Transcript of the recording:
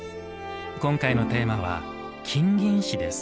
今回のテーマは「金銀糸」です。